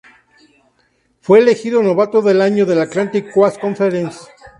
Fue elegido novato del año de la Atlantic Coast Conference.